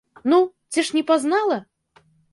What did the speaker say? Ну, ці ж не пазнала?